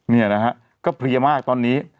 นี่นะฮะก็เพลียมากตอนนี้